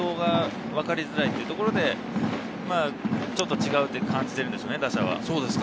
軌道がわかりづらいというところでちょっと違うと感じているのでしょう。